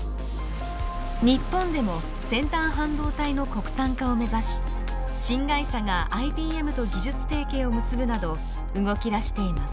日本でも先端半導体の国産化を目指し新会社がＩＢＭと技術提携を結ぶなど動き出しています。